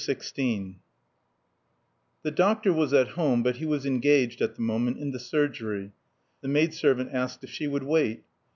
XVI The doctor was at home, but he was engaged, at the moment, in the surgery. The maid servant asked if she would wait.